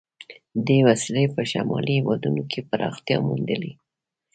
دې وسیلې په شمالي هېوادونو کې پراختیا موندلې.